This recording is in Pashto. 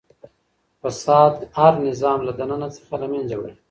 فساد هر نظام له دننه څخه له منځه وړي.